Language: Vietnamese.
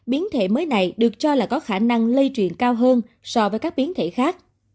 biến thể mới này được cho là có khả năng lây truyền cao hơn so với các biến thể khác